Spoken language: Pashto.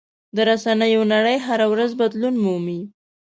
د رسنیو نړۍ هره ورځ بدلون مومي.